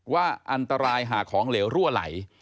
ว่าอันตรายหากของเหลวรั่วไหล